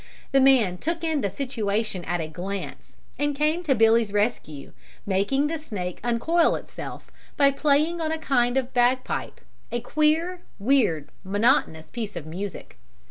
The man took in the situation at a glance, and came to Billy's rescue, making the snake uncoil itself by playing on a kind of bagpipe, a queer, weird, monotonous piece of music.